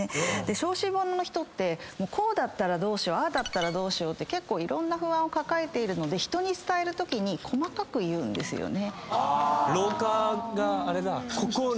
小心者の人はこうだったらああだったらどうしようって結構いろんな不安を抱えてるので人に伝えるときに細かく言うんですよね。